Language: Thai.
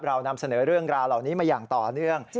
เรานำเสนอเรื่องราวเหล่านี้มาอย่างต่อเนื่อง